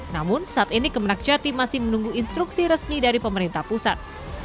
namun saat ini kemenang jati masih menunggu instruksi resmi dari pemerintah pusat